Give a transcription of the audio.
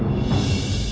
risky pasti baper lagi